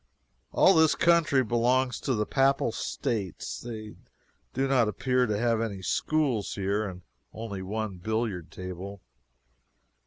All this country belongs to the Papal States. They do not appear to have any schools here, and only one billiard table.